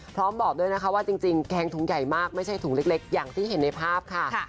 บอกด้วยนะคะว่าจริงแกงถุงใหญ่มากไม่ใช่ถุงเล็กอย่างที่เห็นในภาพค่ะ